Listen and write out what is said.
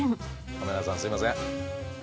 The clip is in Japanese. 亀田さんすいません。